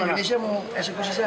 menghadapi ya mempersiapkan kematian